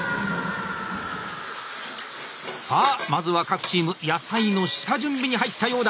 さあまずは各チーム野菜の下準備に入ったようだ。